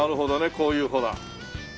こういうほら。